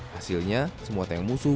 hasilnya semua tank musuh